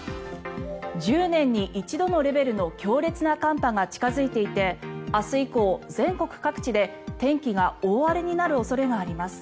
１０年に一度のレベルの強烈な寒波が近付いていて明日以降、全国各地で天気が大荒れになる恐れがあります。